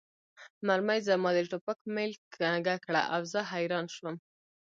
مرمۍ زما د ټوپک میل کږه کړه او زه حیران شوم